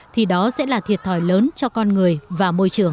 thì đó sẽ là thiệt thòi lớn cho con người và môi trường